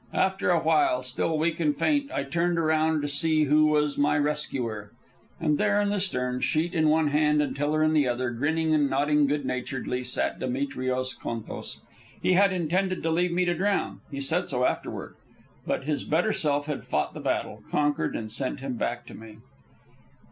After a while, still weak and faint, I turned around to see who was my rescuer. And there, in the stern, sheet in one hand and tiller in the other, grinning and nodding good naturedly, sat Demetrios Contos. He had intended to leave me to drown, he said so afterward, but his better self had fought the battle, conquered, and sent him back to me.